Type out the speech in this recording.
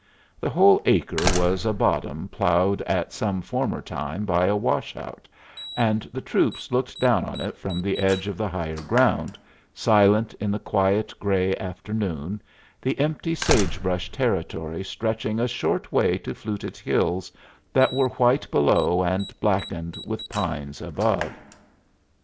The whole acre was a bottom ploughed at some former time by a wash out, and the troops looked down on it from the edge of the higher ground, silent in the quiet, gray afternoon, the empty sage brush territory stretching a short way to fluted hills that were white below and blackened with pines above.